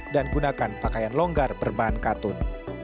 dan gunakan pakaian longgar berbahan katun